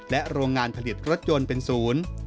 โรงงานผลิตรถยนต์เป็นศูนย์